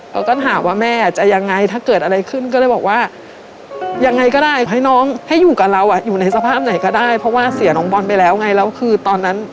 เราก็ถามว่าแม่จะยังไงถ้าเกิดอะไรขึ้นก็เลยบอกว่ายังไงก็ได้ให้น้องให้อยู่กับเราอยู่ในสภาพไหนก็ได้เพราะว่าเสียน้องบอลไปแล้วไงแล้วคือตอนนั้น